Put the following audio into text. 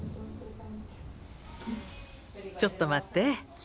ちょっと待って。